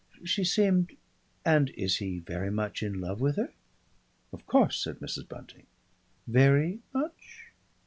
"She seemed And is he very much in love with her?" "Of course," said Mrs. Bunting. "Very much?"